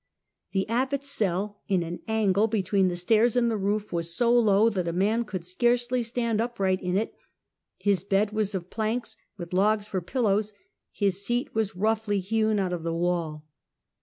The abbot's cell, in an angle between the stairs and the roof, was so low that a man could scarcely stand upright in it; his bed was of planks, with logs for pillows, his seat was roughly hewn out of the wall.